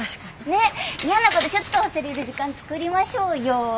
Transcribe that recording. ねっやなことちょっと忘れる時間作りましょうよ。